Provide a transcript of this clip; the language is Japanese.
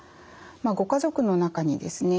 ご家族の中にですね